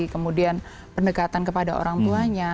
kemudian pendekatan kepada orang tuanya